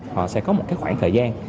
họ sẽ có một cái khoảng thời gian